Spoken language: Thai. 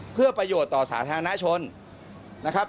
เพื่อประโยชน์ต่อสาธารณชนนะครับ